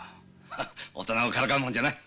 ハッ大人をからかうもんじゃない。